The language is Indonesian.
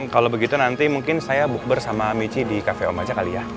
kalau begitu nanti mungkin saya bukber sama michi di cafe om aja kali ya